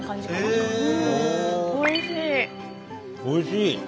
おいしい！